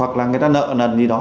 hoặc là người ta nợ nần như đó